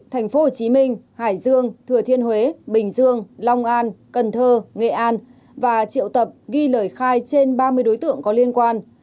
tp hcm hải dương thừa thiên huế bình dương long an cần thơ nghệ an và triệu tập ghi lời khai trên ba mươi đối tượng có liên quan